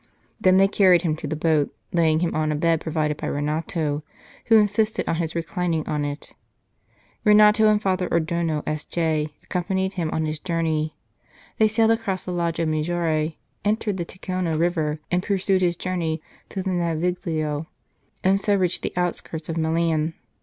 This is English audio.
Then they carried him to the boat, laying him on a bed provided by Renato, who insisted on his reclining on it. Renato and Father Adorno, S.J., accom panied him on his journey. They sailed across Lago Maggiore, entered the Ticino river, and pursued his journey through the naviglio, and so reached the outskirts of Milan.